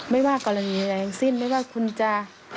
ไม่ว่ากรณีใดทั้งสิ้นไม่ว่าคุณจะ